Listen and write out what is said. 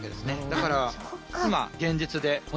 だから。